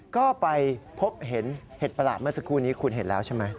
ก็ไปพบเห็นเห็ดประหลาดเมื่อสักครู่นี้คุณเห็นแล้วใช่ไหม